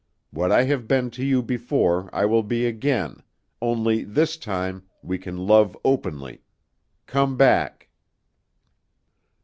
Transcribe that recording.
What I have been to you before I will be again, only, this time, we can love openly. Come back.